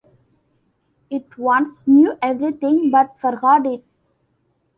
It once knew everything, but forgot it.